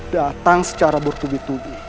datang secara bertubi tubi